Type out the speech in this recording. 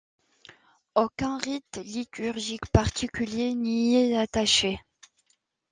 Aucun rite liturgique particulier n'y est attaché.